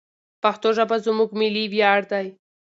پښتو ژبه زموږ ملي ویاړ دی.